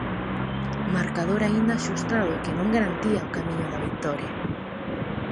Marcador aínda axustado que non garantía o camiño da vitoria.